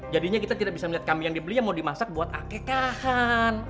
jadinya kita tidak bisa melihat kami yang dibeli yang mau dimasak buat akekahan